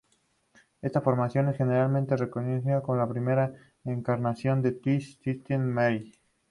Esta formación es generalmente reconocida como la primera encarnación de The Sisters of Mercy.